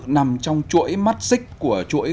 nằm trong chuỗi mắt xích của chuỗi